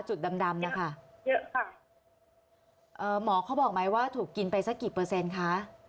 จุดดำดำเนี่ยค่ะเยอะค่ะเอ่อหมอเขาบอกไหมว่าถูกกินไปสักกี่เปอร์เซ็นต์คะ